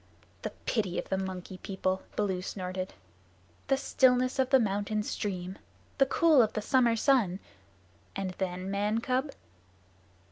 "The pity of the Monkey People!" Baloo snorted. "The stillness of the mountain stream! The cool of the summer sun! And then, man cub?"